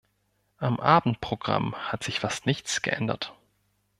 Am Abendprogramm hat sich fast nichts geändert.